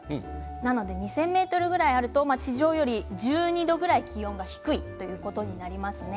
なので２０００ｍくらいあると地上より１２度ぐらい気温が低いということになりますね。